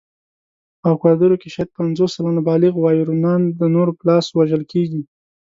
په اکوادور کې شاید پنځوس سلنه بالغ وایورانيان د نورو په لاس وژل کېږي.